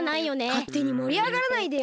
かってにもりあがらないでよ。